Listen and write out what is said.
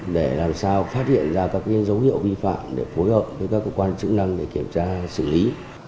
để làm sao phát hiện ra các dấu hiệu vi phạm để phối hợp với các cơ quan chức năng để kiểm tra xử lý